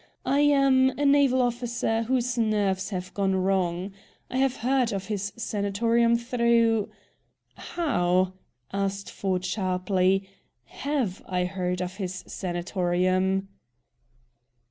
I am a naval officer whose nerves have gone wrong. I have heard of his sanatorium through " "How," asked Ford sharply, "have I heard of his sanatorium?"